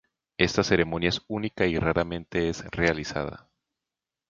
Esta ceremonia es única y raramente es realizada.